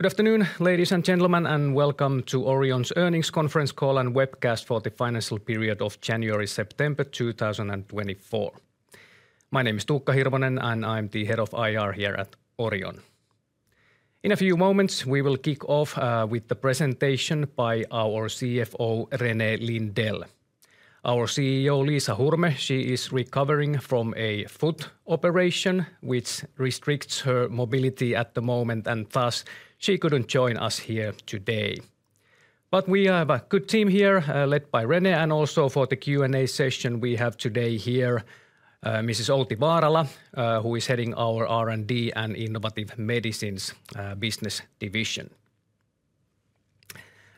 Good afternoon, ladies and gentlemen, and welcome to Orion's Earnings Conference Call and Webcast for the financial period of January-September 2024. My name is Tuukka Hirvonen, and I'm the Head of IR here at Orion. In a few moments, we will kick off with the presentation by our CFO, René Lindell. Our CEO, Liisa Hurme, she is recovering from a foot operation, which restricts her mobility at the moment, and thus she couldn't join us here today. But we have a good team here, led by René, and also for the Q&A session we have today here, Mrs. Outi Vaarala, who is heading our R&D and Innovative Medicines Business Division.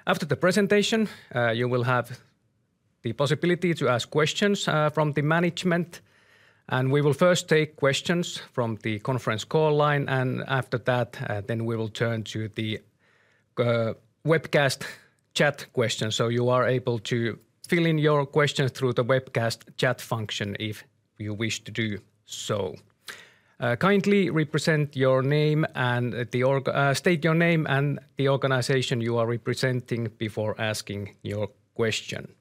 After the presentation, you will have the possibility to ask questions from the management, and we will first take questions from the conference call line, and after that, then we will turn to the webcast chat questions, so you are able to fill in your questions through the webcast chat function if you wish to do so. Kindly state your name and the organization you are representing before asking your question.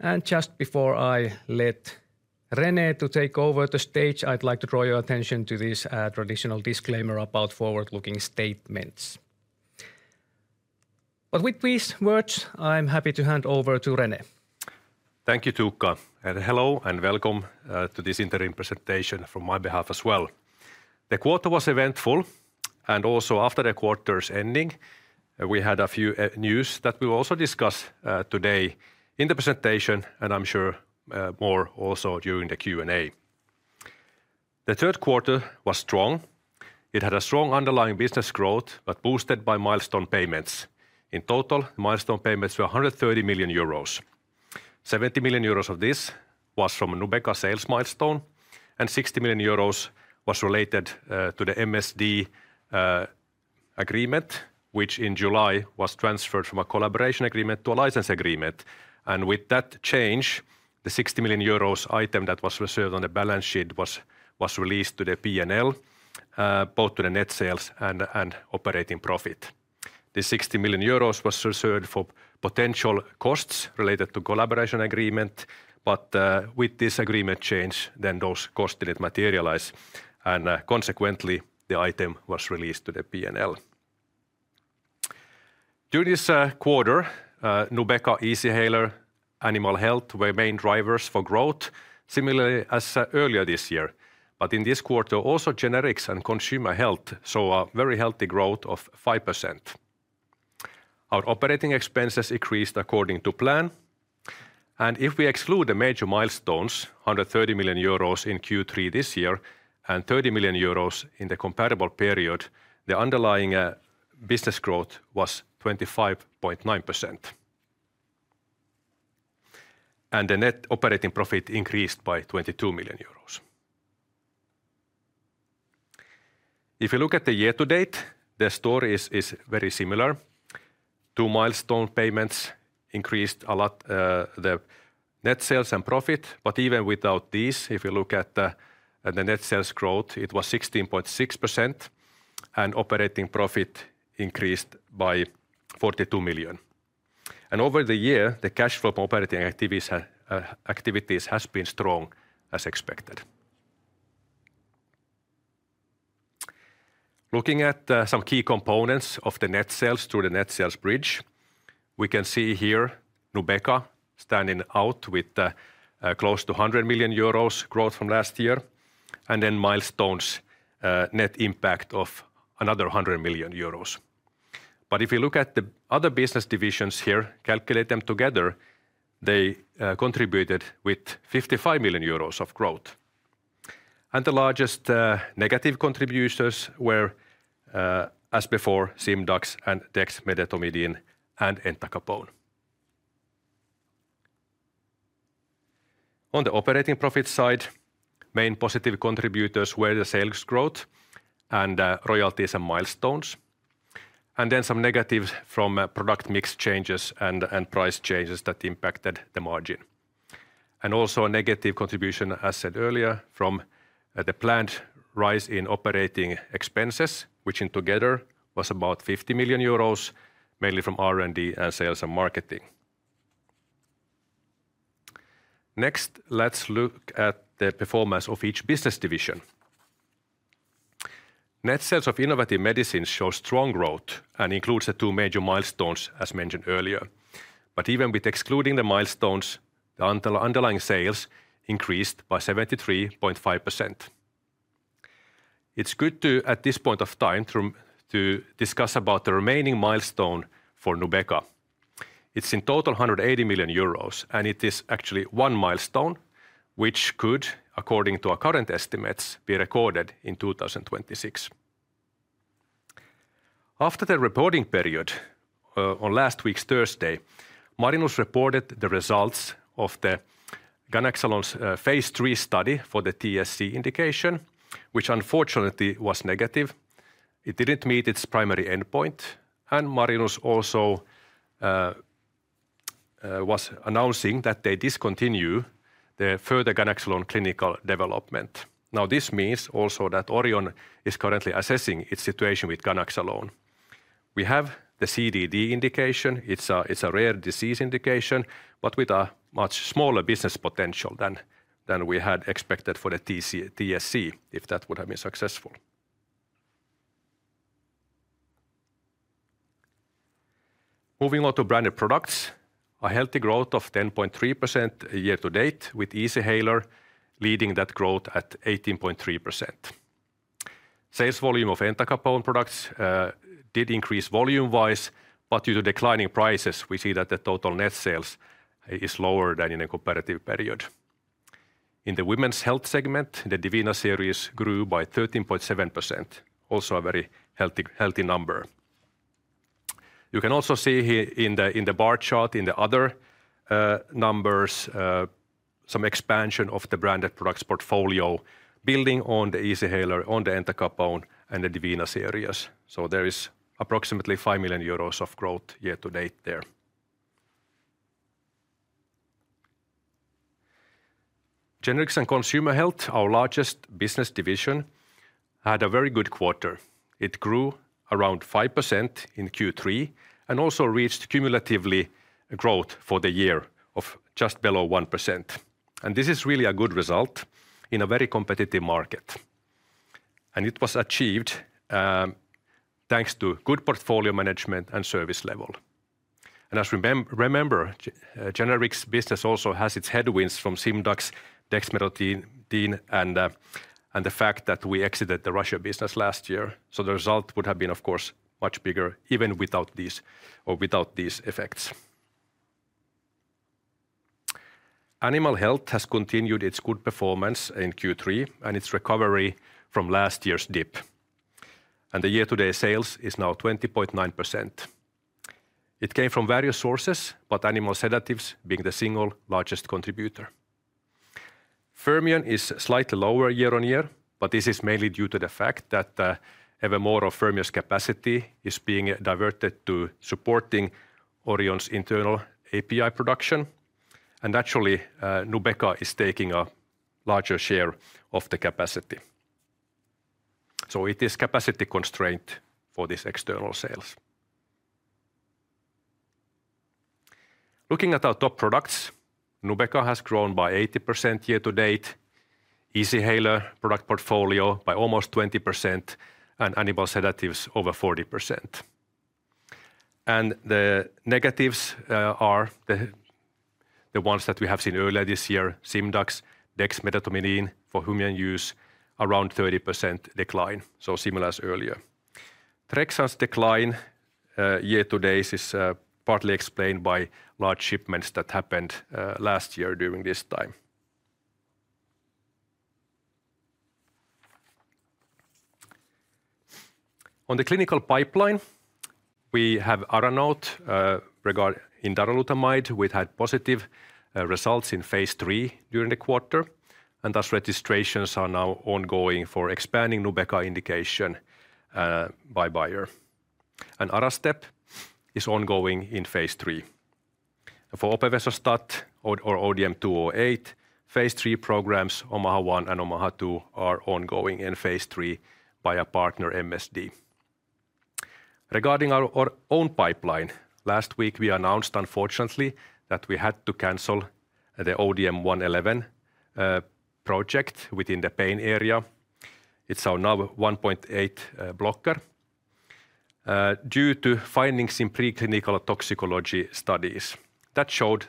And just before I let René to take over the stage, I'd like to draw your attention to this traditional disclaimer about forward-looking statements. With these words, I'm happy to hand over to René. Thank you, Tuukka, and hello and welcome to this interim presentation from my behalf as well. The quarter was eventful, and also after the quarter's ending, we had a few news that we will also discuss today in the presentation, and I'm sure more also during the Q&A. The third quarter was strong. It had a strong underlying business growth, but boosted by milestone payments. In total, the milestone payments were 130 million euros. 70 million euros of this was from Nubeqa sales milestone, and 60 million euros was related to the MSD agreement, which in July was transferred from a collaboration agreement to a license agreement, and with that change, the 60 million euros item that was reserved on the balance sheet was released to the P&L, both to the net sales and operating profit. The 60 million euros was reserved for potential costs related to the collaboration agreement, but with this agreement change, then those costs didn't materialize, and consequently, the item was released to the P&L. During this quarter, Nubeqa, Easyhaler, and Animal Health were main drivers for growth, similarly as earlier this year, but in this quarter also generics and consumer health saw a very healthy growth of 5%. Our operating expenses increased according to plan, and if we exclude the major milestones, 130 million euros in Q3 this year and 30 million euros in the comparable period, the underlying business growth was 25.9%. And the net operating profit increased by 22 million euros. If you look at the year-to-date, the story is very similar. Two milestone payments increased a lot the net sales and profit, but even without these, if you look at the net sales growth, it was 16.6%, and operating profit increased by 42 million. And over the year, the cash flow from operating activities has been strong as expected. Looking at some key components of the net sales through the net sales bridge, we can see here Nubeqa standing out with close to 100 million euros growth from last year, and then milestones net impact of another 100 million euros. But if you look at the other business divisions here, calculate them together, they contributed with 55 million euros of growth. And the largest negative contributors were, as before, Simdax, dexmedetomidine, and entacapone. On the operating profit side, main positive contributors were the sales growth and royalties and milestones, and then some negatives from product mix changes and price changes that impacted the margin. And also a negative contribution, as said earlier, from the planned rise in operating expenses, which in total was about 50 million euros, mainly from R&D and sales and marketing. Next, let's look at the performance of each business division. Net sales of innovative medicines show strong growth and includes the two major milestones as mentioned earlier. But even with excluding the milestones, the underlying sales increased by 73.5%. It's good to, at this point of time, to discuss about the remaining milestone for Nubeqa. It's in total 180 million euros, and it is actually one milestone, which could, according to our current estimates, be recorded in 2026. After the reporting period on last week's Thursday, Marinus reported the results of the ganaxolone's phase III study for the TSC indication, which unfortunately was negative. It didn't meet its primary endpoint, and Marinus also was announcing that they discontinue the further ganaxolone clinical development. Now, this means also that Orion is currently assessing its situation with ganaxolone. We have the CDD indication. It's a rare disease indication, but with a much smaller business potential than we had expected for the TSC, if that would have been successful. Moving on to branded products, a healthy growth of 10.3% year-to-date with Easyhaler leading that growth at 18.3%. Sales volume of entacapone products did increase volume-wise, but due to declining prices, we see that the total net sales is lower than in a comparative period. In the women's health segment, the Divina series grew by 13.7%, also a very healthy number. You can also see in the bar chart, in the other numbers, some expansion of the branded products portfolio building on the Easyhaler, on the entacapone, and the Divina series. So there is approximately 5 million euros of growth year-to-date there. Generics and consumer health, our largest business division, had a very good quarter. It grew around 5% in Q3 and also reached cumulatively growth for the year of just below 1%. And this is really a good result in a very competitive market. And it was achieved thanks to good portfolio management and service level. And as we remember, generics business also has its headwinds from Simdax, dexmedetomidine, and the fact that we exited the Russia business last year. So the result would have been, of course, much bigger even without these effects. Animal Health has continued its good performance in Q3 and its recovery from last year's dip. And the year-to-date sales is now 20.9%. It came from various sources, but animal sedatives being the single largest contributor. Fermion is slightly lower year-on-year, but this is mainly due to the fact that ever more of Fermion's capacity is being diverted to supporting Orion's internal API production. And naturally, Nubeqa is taking a larger share of the capacity. So it is capacity constraint for these external sales. Looking at our top products, Nubeqa has grown by 80% year-to-date, Easyhaler product portfolio by almost 20%, and animal sedatives over 40%. And the negatives are the ones that we have seen earlier this year, Simdax, dexmedetomidine for human use, around 30% decline, so similar as earlier. Trexan's decline year-to-date is partly explained by large shipments that happened last year during this time. On the clinical pipeline, we have ARANOTE in darolutamide. We had positive results in phase III during the quarter, and thus registrations are now ongoing for expanding Nubeqa indication by Bayer. ARASTEP is ongoing in phase III. For opevesostat or ODM-208, phase III programs OMAHA-1 and OMAHA-2 are ongoing in phase III by a partner MSD. Regarding our own pipeline, last week we announced, unfortunately, that we had to cancel the ODM-111 project within the pain area. It's our NaV 1.8 blocker due to findings in preclinical toxicology studies that showed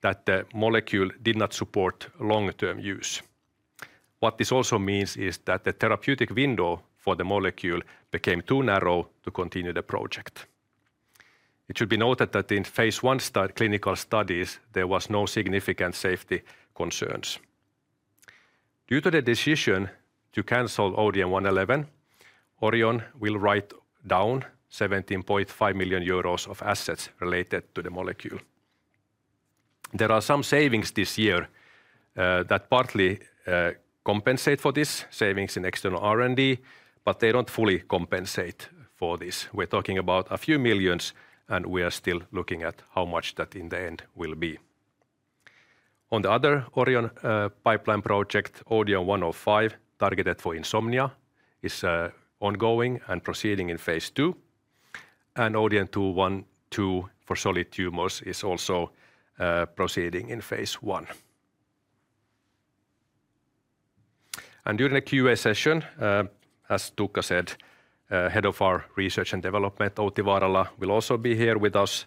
that the molecule did not support long-term use. What this also means is that the therapeutic window for the molecule became too narrow to continue the project. It should be noted that in phase I clinical studies, there were no significant safety concerns. Due to the decision to cancel ODM-111, Orion will write down 17.5 million euros of assets related to the molecule. There are some savings this year that partly compensate for these savings in external R&D, but they don't fully compensate for this. We're talking about a few millions, and we are still looking at how much that in the end will be. On the other Orion pipeline project, ODM-105 targeted for insomnia is ongoing and proceeding in phase II, and ODM-212 for solid tumors is also proceeding in phase I. And during the Q&A session, as Tuukka said, head of our research and development, Outi Vaarala, will also be here with us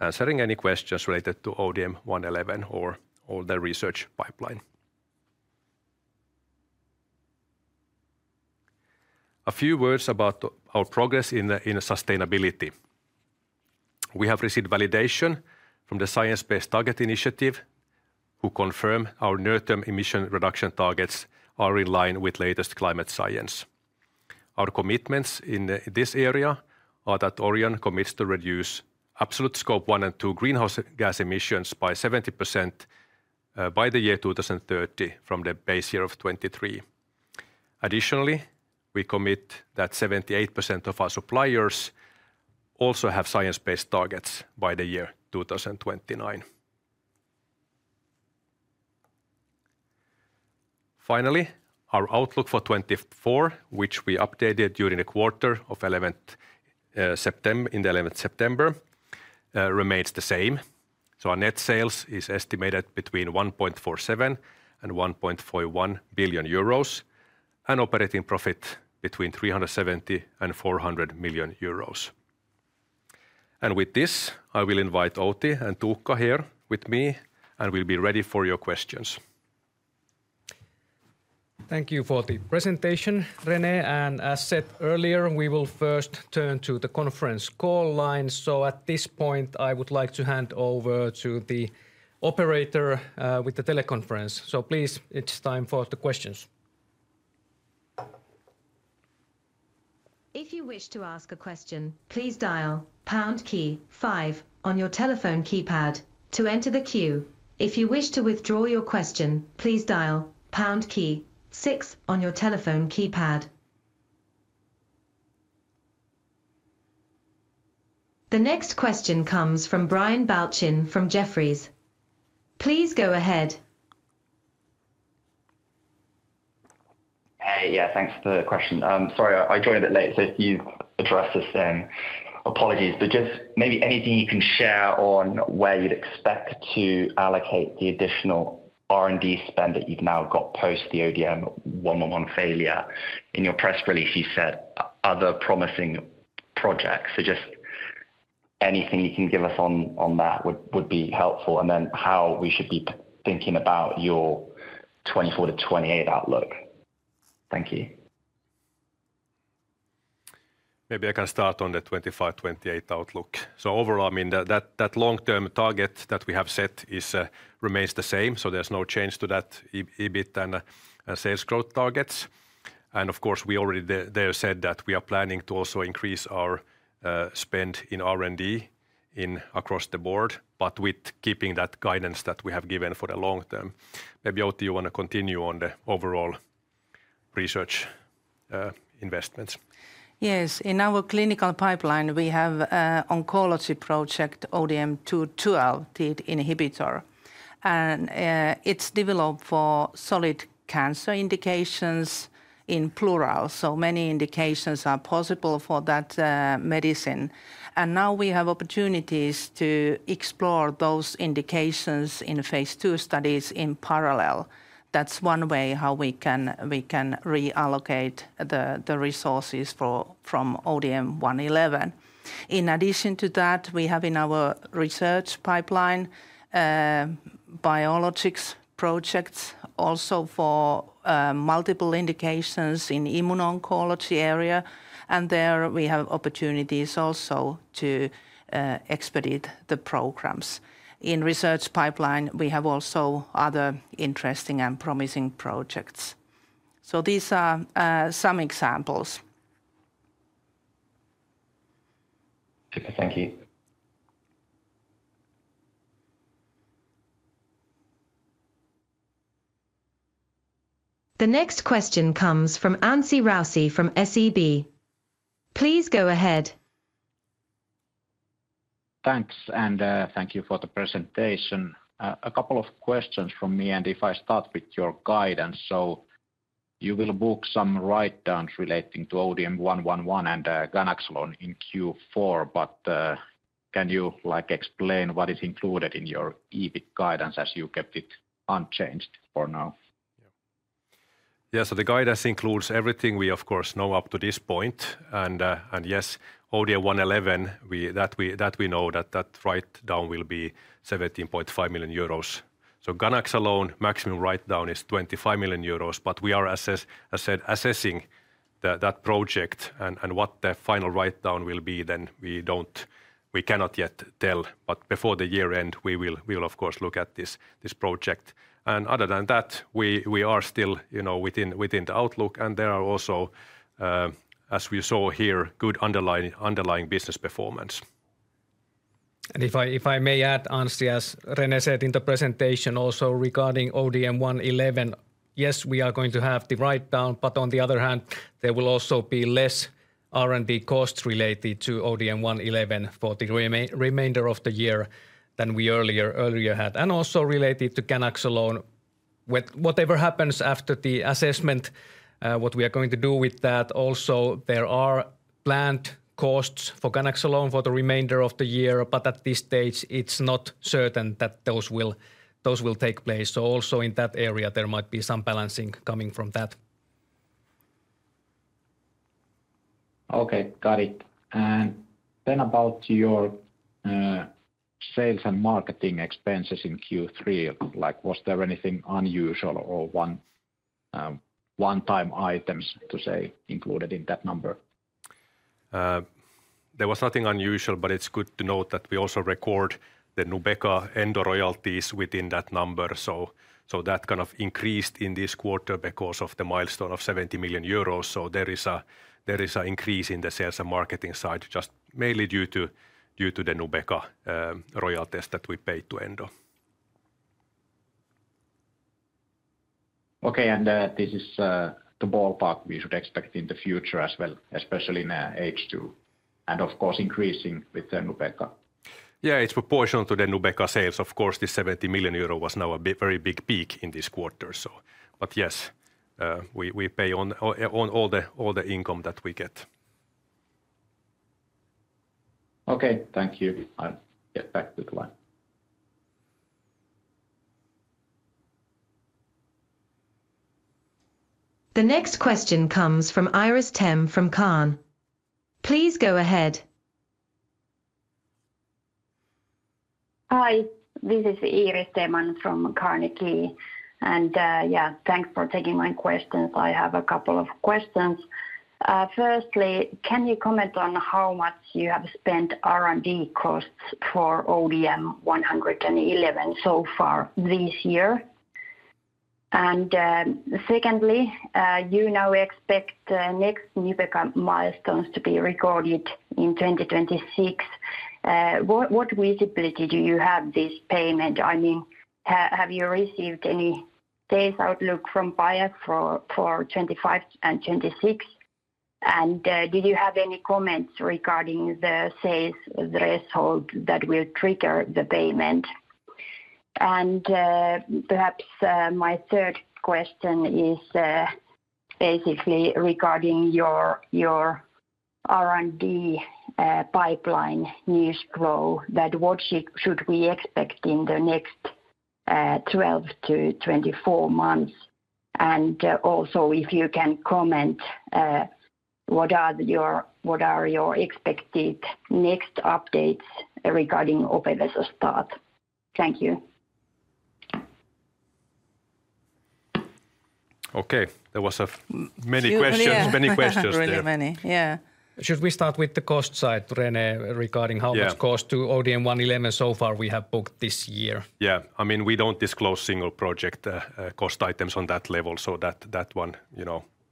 answering any questions related to ODM-111 or all the research pipeline. A few words about our progress in sustainability. We have received validation from the Science Based Targets initiative, who confirmed our near-term emission reduction targets are in line with latest climate science. Our commitments in this area are that Orion commits to reduce absolute scope 1 and 2 greenhouse gas emissions by 70% by the year 2030 from the base year of 2023. Additionally, we commit that 78% of our suppliers also have science-based targets by the year 2029. Finally, our outlook for 2024, which we updated during the quarter of 11th September, remains the same, so our net sales is estimated between 1.47 billion and 1.41 billion euros and operating profit between 370 million and 400 million euros, and with this, I will invite Outi and Tuukka here with me and will be ready for your questions. Thank you for the presentation, René. And as said earlier, we will first turn to the conference call line. So at this point, I would like to hand over to the operator with the teleconference. So please, it's time for the questions. If you wish to ask a question, please dial pound key five on your telephone keypad to enter the queue. If you wish to withdraw your question, please dial pound key six on your telephone keypad. The next question comes from Brian Balchin from Jefferies. Please go ahead. Hey, yeah, thanks for the question. Sorry, I joined a bit late, so if you've addressed this then, apologies. But just maybe anything you can share on where you'd expect to allocate the additional R&D spend that you've now got post the ODM-111 failure. In your press release, you said other promising projects. So just anything you can give us on that would be helpful. And then how we should be thinking about your 2024 to 2028 outlook. Thank you. Maybe I can start on the 2024-2028 outlook. So overall, I mean, that long-term target that we have set remains the same. So there's no change to that EBIT and sales growth targets. And of course, we already have said that we are planning to also increase our spend in R&D across the board, but with keeping that guidance that we have given for the long term. Maybe Outi, you want to continue on the overall research investments. Yes, in our clinical pipeline, we have an oncology project, ODM-212 inhibitor, and it's developed for solid cancer indications in plural, so many indications are possible for that medicine, and now we have opportunities to explore those indications in phase II studies in parallel. That's one way how we can reallocate the resources from ODM-111. In addition to that, we have in our research pipeline biologics projects also for multiple indications in the immuno-oncology area, and there we have opportunities also to expedite the programs. In the research pipeline, we have also other interesting and promising projects, so these are some examples. Super, thank you. The next question comes from Anssi Raussi from SEB. Please go ahead. Thanks, and thank you for the presentation. A couple of questions from me, and if I start with your guidance. So you will book some write-downs relating to ODM-111 and ganaxolone in Q4, but can you explain what is included in your EBIT guidance as you kept it unchanged for now? Yeah, so the guidance includes everything we, of course, know up to this point. And yes, ODM-111, that we know that that write-down will be 17.5 million euros. So ganaxolone maximum write-down is 25 million euros, but we are, as I said, assessing that project and what the final write-down will be. Then we cannot yet tell, but before the year-end, we will, of course, look at this project. And other than that, we are still within the outlook, and there are also, as we saw here, good underlying business performance. And if I may add, Anssi, as René said in the presentation also regarding ODM-111, yes, we are going to have the write-down, but on the other hand, there will also be less R&D costs related to ODM-111 for the remainder of the year than we earlier had. And also related to ganaxolone, whatever happens after the assessment, what we are going to do with that, also there are planned costs for ganaxolone for the remainder of the year, but at this stage, it's not certain that those will take place. So also in that area, there might be some balancing coming from that. Okay, got it. And then about your sales and marketing expenses in Q3, was there anything unusual or one-time items to say included in that number? There was nothing unusual, but it's good to note that we also record the Nubeqa and royalties within that number. So that kind of increased in this quarter because of the milestone of 70 million euros. So there is an increase in the sales and marketing side, just mainly due to the Nubeqa royalties that we paid to Endo. Okay, and this is the ballpark we should expect in the future as well, especially in H2, and of course increasing with the Nubeqa. Yeah, it's proportional to the Nubeqa sales. Of course, this 70 million euro was now a very big peak in this quarter. But yes, we pay on all the income that we get. Okay, thank you. I'll get back to the line. The next question comes from Iiris Theman from Carnegie. Please go ahead. Hi, this is Iiris Theman from Carnegie. Yeah, thanks for taking my questions. I have a couple of questions. Firstly, can you comment on how much you have spent R&D costs for ODM-111 so far this year? Secondly, you now expect the next Nubeqa milestones to be recorded in 2026. What visibility do you have this payment? I mean, have you received any sales outlook from Bayer for 2025 and 2026? Did you have any comments regarding the sales threshold that will trigger the payment? Perhaps my third question is basically regarding your R&D pipeline news flow. What should we expect in the next 12 to 24 months? Also, if you can comment, what are your expected next updates regarding opevesostat? Thank you. Okay, there were many questions. There were really many. Yeah. Should we start with the cost side, René, regarding how much cost to ODM-111 so far we have booked this year? Yeah, I mean, we don't disclose single project cost items on that level, so that one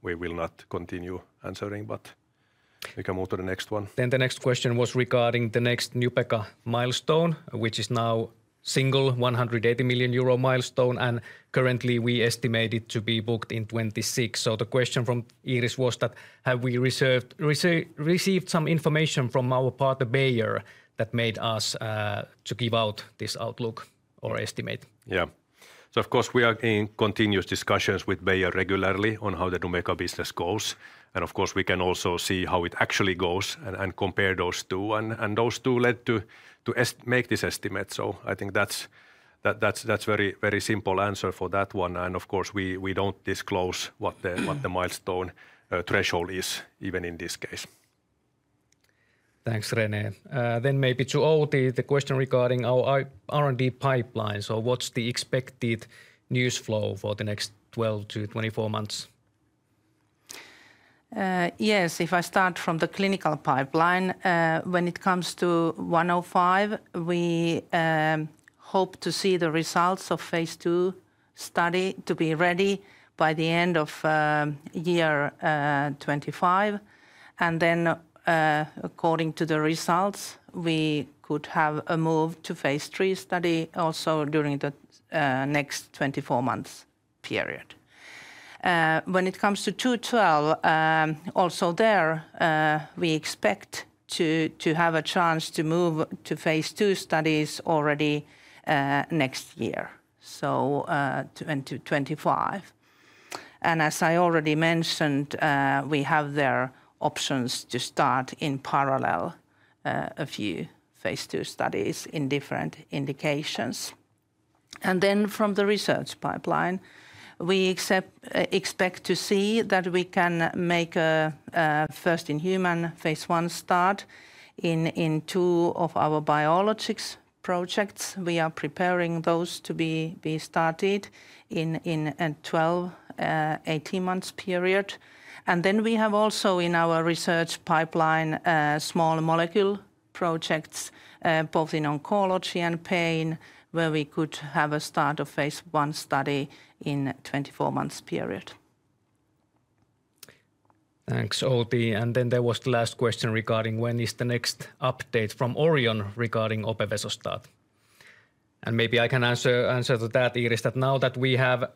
we will not continue answering, but we can move to the next one. Then the next question was regarding the next Nubeqa milestone, which is now single 180 million euro milestone, and currently we estimate it to be booked in 2026. So the question from Iris was that have we received some information from our partner, Bayer, that made us give out this outlook or estimate? Yeah, so of course, we are in continuous discussions with Bayer regularly on how the Nubeqa business goes, and of course, we can also see how it actually goes and compare those two, and those two led to make this estimate. So I think that's a very simple answer for that one, and of course, we don't disclose what the milestone threshold is even in this case. Thanks, René. Then maybe to Outi, the question regarding our R&D pipeline. So what's the expected news flow for the next 12 to 24 months? Yes, if I start from the clinical pipeline, when it comes to ODM-105, we hope to see the results of phase II study to be ready by the end of 2025. And then according to the results, we could have a move to phase III study also during the next 24 months period. When it comes to ODM-212, also there, we expect to have a chance to move to phase II studies already next year, so into 2025. And as I already mentioned, we have there options to start in parallel a few phase II studies in different indications. And then from the research pipeline, we expect to see that we can make a first in human phase I start in two of our biologics projects. We are preparing those to be started in a 12-18 months period. And then we have also in our research pipeline small molecule projects, both in oncology and pain, where we could have a start of phase I study in a 24 months period. Thanks, Outi. And then there was the last question regarding when is the next update from Orion regarding opevesostat. And maybe I can answer to that, Iris, that now that we have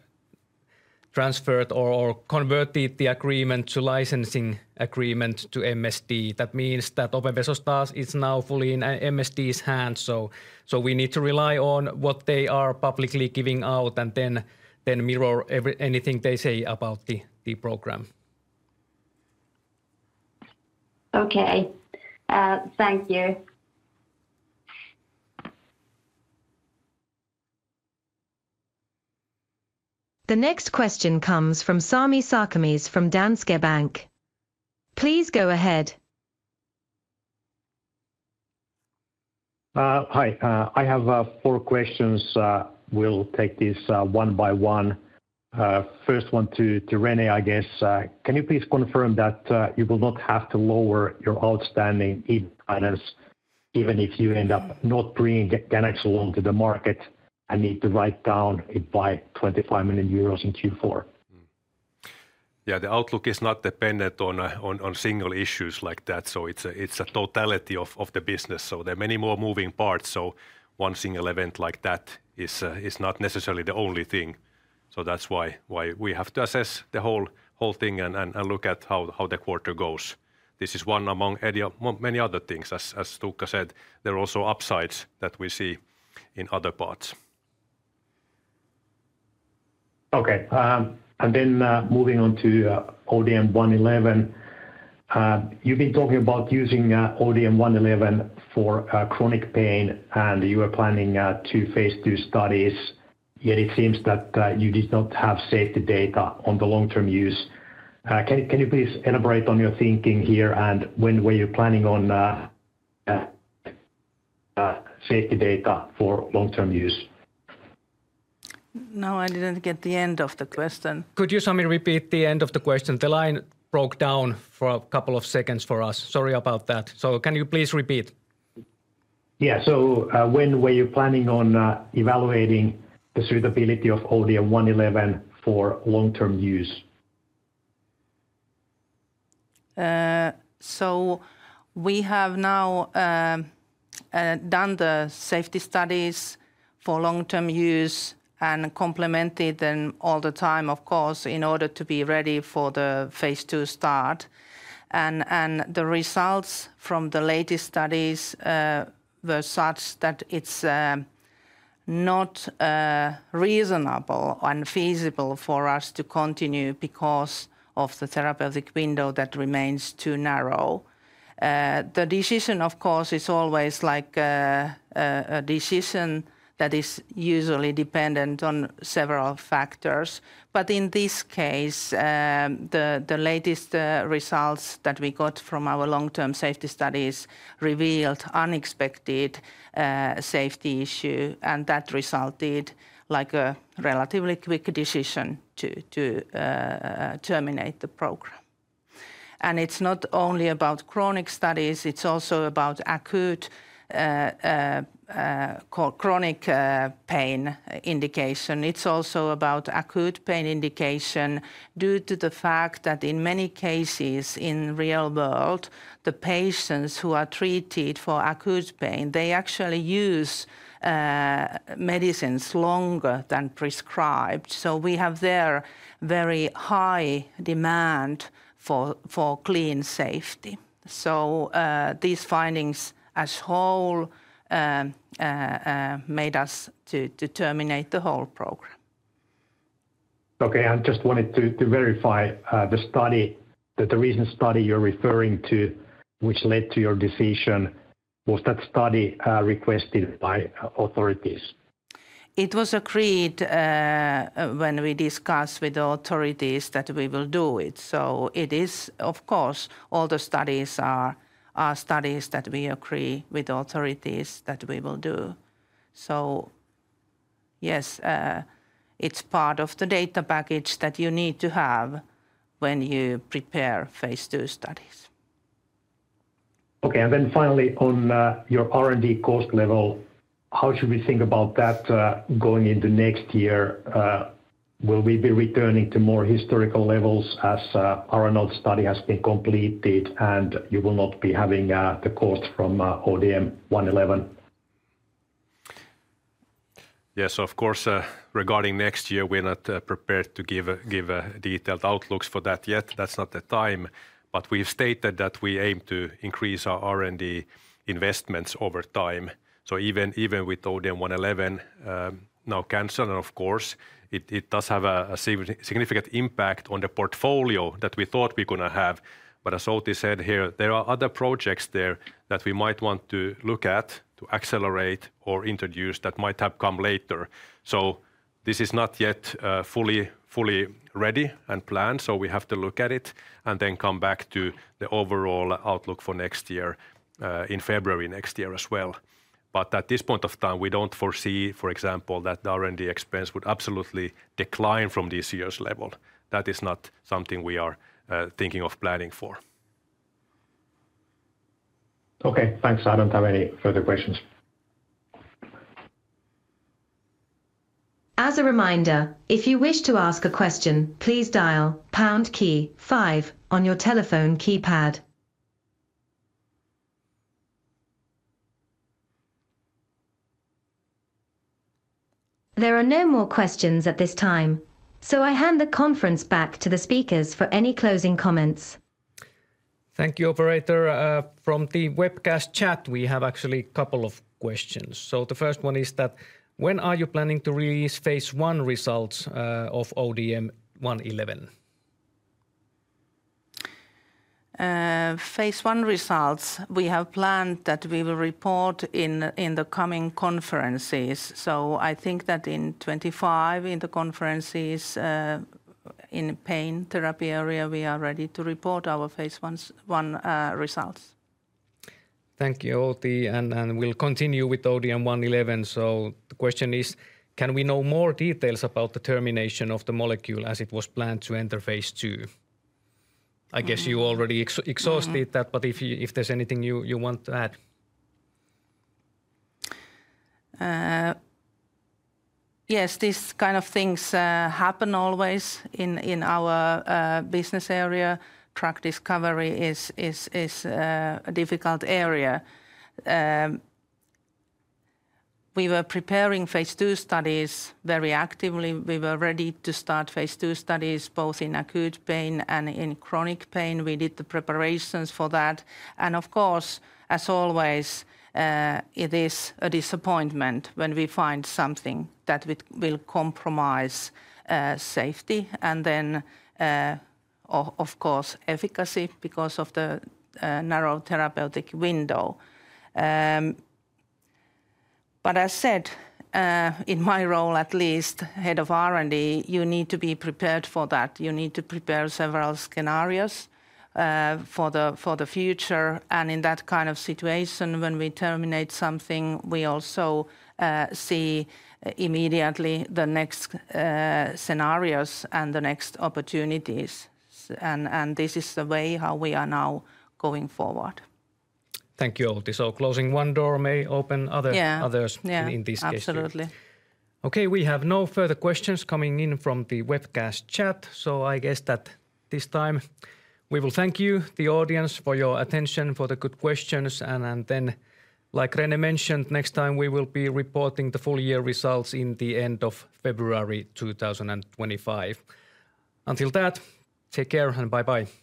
transferred or converted the agreement to licensing agreement to MSD, that means that opevesostat is now fully in MSD's hands. So we need to rely on what they are publicly giving out and then mirror anything they say about the program. Okay, thank you. The next question comes from Sami Sarkamies from Danske Bank. Please go ahead. Hi, I have four questions. We'll take this one by one. First one to René, I guess. Can you please confirm that you will not have to lower your outstanding EBIT guidance even if you end up not bringing ganaxolone to the market and need to write it down by 25 million euros in Q4? Yeah, the outlook is not dependent on single issues like that. So it's a totality of the business. So there are many more moving parts. So one single event like that is not necessarily the only thing. So that's why we have to assess the whole thing and look at how the quarter goes. This is one among many other things. As Tuukka said, there are also upsides that we see in other parts. Okay, and then moving on to ODM-111. You've been talking about using ODM-111 for chronic pain, and you are planning two phase II studies, yet it seems that you did not have safety data on the long-term use. Can you please elaborate on your thinking here and when were you planning on safety data for long-term use? No, I didn't get the end of the question. Could you someone repeat the end of the question? The line broke down for a couple of seconds for us. Sorry about that. So can you please repeat? Yeah, so when were you planning on evaluating the suitability of ODM-111 for long-term use? We have now done the safety studies for long-term use and complemented them all the time, of course, in order to be ready for the phase II start. The results from the latest studies were such that it's not reasonable and feasible for us to continue because of the therapeutic window that remains too narrow. The decision, of course, is always like a decision that is usually dependent on several factors. In this case, the latest results that we got from our long-term safety studies revealed unexpected safety issues, and that resulted in a relatively quick decision to terminate the program. It's not only about chronic studies, it's also about acute chronic pain indication. It's also about acute pain indication due to the fact that in many cases in real world, the patients who are treated for acute pain, they actually use medicines longer than prescribed. So we have there very high demand for clean safety. So these findings as a whole made us to terminate the whole program. Okay, I just wanted to verify the study, the recent study you're referring to, which led to your decision. Was that study requested by authorities? It was agreed when we discussed with the authorities that we will do it. So it is, of course, all the studies are studies that we agree with authorities that we will do. So yes, it's part of the data package that you need to have when you prepare phase II studies. Okay, and then finally on your R&D cost level, how should we think about that going into next year? Will we be returning to more historical levels as our animal study has been completed and you will not be having the cost from ODM-111? Yes, of course, regarding next year, we're not prepared to give detailed outlooks for that yet. That's not the time, but we've stated that we aim to increase our R&D investments over time. So even with ODM-111 now canceled, of course, it does have a significant impact on the portfolio that we thought we're going to have. But as Outi said here, there are other projects there that we might want to look at to accelerate or introduce that might have come later. So this is not yet fully ready and planned, so we have to look at it and then come back to the overall outlook for next year in February next year as well, but at this point of time, we don't foresee, for example, that the R&D expense would absolutely decline from this year's level. That is not something we are thinking of planning for. Okay, thanks. I don't have any further questions. As a reminder, if you wish to ask a question, please dial pound key five on your telephone keypad. There are no more questions at this time, so I hand the conference back to the speakers for any closing comments. Thank you, Operator. From the webcast chat, we have actually a couple of questions. So the first one is that when are you planning to release phase I results of ODM-111? Phase I results, we have planned that we will report in the coming conferences, so I think that in 2025, in the conferences in pain therapy area, we are ready to report our phase I results. Thank you, Outi, and we'll continue with ODM-111. The question is, can we know more details about the termination of the molecule as it was planned to enter phase II? I guess you already exhausted that, but if there's anything you want to add. Yes, these kind of things happen always in our business area. Drug discovery is a difficult area. We were preparing phase II studies very actively. We were ready to start phase II studies both in acute pain and in chronic pain. We did the preparations for that, and of course, as always, it is a disappointment when we find something that will compromise safety and then, of course, efficacy because of the narrow therapeutic window, but as said, in my role at least, head of R&D, you need to be prepared for that. You need to prepare several scenarios for the future, and in that kind of situation, when we terminate something, we also see immediately the next scenarios and the next opportunities, and this is the way how we are now going forward. Thank you, Outi. So closing one door may open others in this case. Yeah, absolutely. Okay, we have no further questions coming in from the webcast chat. So I guess that this time we will thank you, the audience, for your attention, for the good questions. And then, like René mentioned, next time we will be reporting the full year results in the end of February 2025. Until that, take care and bye-bye.